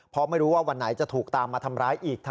เพราะไม่รู้ว่าวันไหนจะถูกตามมาทำร้ายอีก